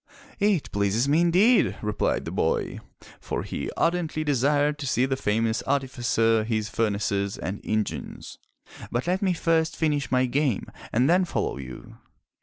'' "It pleases me indeed," replied the boy, for he ardently desired to see the famous artificer, his furnaces and engines. "But let me first finish my game and then follow you."